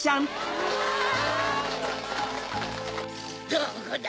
どこだ？